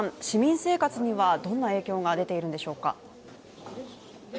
市民生活にはどんな影響が出ているんでしょうか。